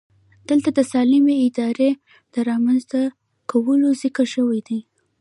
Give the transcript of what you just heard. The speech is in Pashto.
دلته د سالمې ادارې د رامنځته کولو ذکر شوی دی.